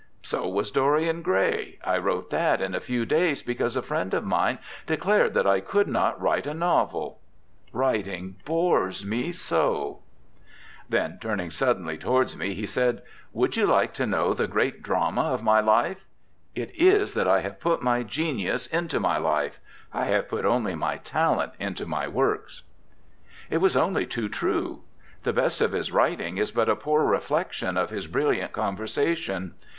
So was Dorian Gray I wrote that in a few days because a friend of mine declared that I could not write a novel. Writing bores me so.' [Illustration: OSCAR WILDE, 1893.] Then, turning suddenly towards me, he said, 'Would you like to know the great drama of my life? It is that I have put my genius into my life I have put only my talent into my works.' It was only too true. The best of his writing is but a poor reflection of his brilliant conversation.